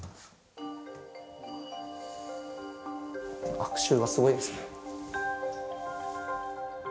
悪臭がすごいですね。